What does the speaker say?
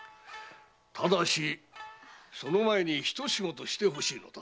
ただしその前にひと仕事してほしいのだ。